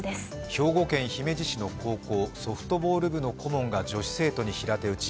兵庫県姫路市の高校ソフトボール部の顧問が女子生徒に平手打ち。